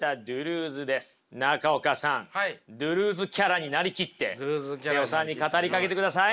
ドゥルーズキャラに成りきって妹尾さんに語りかけてください。